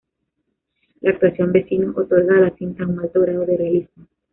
La actuación vecinos otorga a la cinta un alto grado de realismo.